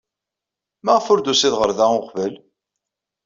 Maɣef ur d-tusid ɣer da uqbel?